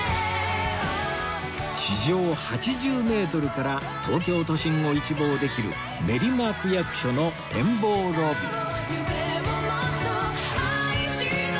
地上８０メートルから東京都心を一望できる練馬区役所の展望ロビー